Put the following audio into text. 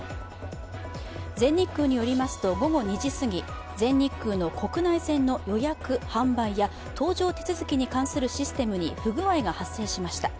全日空によりますと午後２時すぎ、全日空の国内線の予約・販売や搭乗手続きに関するシステムに不具合が発生しました。